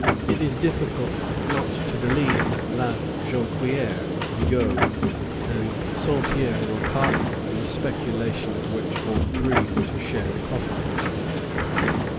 It is difficult not to believe that La Jonquière, Bigot, and Saint Pierre were partners in a speculation of which all three were to share the profits.